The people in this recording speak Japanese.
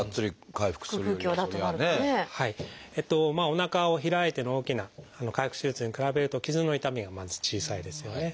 おなかを開いての大きな開腹手術に比べると傷の痛みがまず小さいですよね。